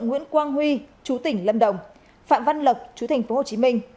nguyễn quang huy chú tỉnh lâm đồng phạm văn lộc chú thành phố hồ chí minh